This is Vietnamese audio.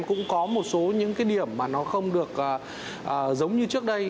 cũng có một số những cái điểm mà nó không được giống như trước đây